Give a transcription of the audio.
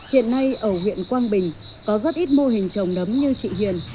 hiện nay ở huyện quang bình có rất ít mô hình trồng nấm như chị hiền